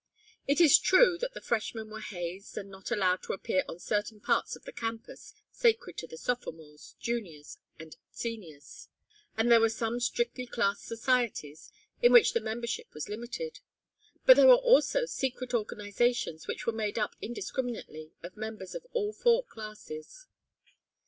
It is true that the freshmen were hazed and not allowed to appear on certain parts of the campus sacred to the sophomores, juniors and seniors. And there were some strictly class societies in which the membership was limited. But there were also secret organizations which were made up indiscriminately of members of all four classes.